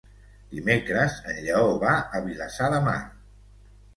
Dimecres en Lleó va a Vilassar de Mar.